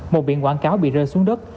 một biển quảng cáo bị rơi xuống đất